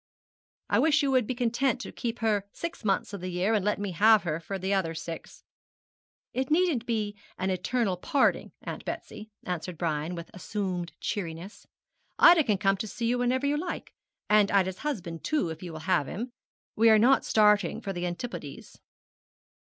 'I wish you would be content to keep her six months of the year, and let me have her for the other six.' 'It needn't be an eternal parting, Aunt Betsy,' answered Brian, with assumed cheeriness; 'Ida can come to see you whenever you like, and Ida's husband too, if you will have him. We are not starting for the Antipodes.'